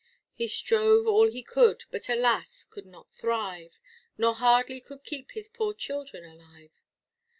He strove all he could, but alas! could not thrive, Nor hardly could keep his poor children alive.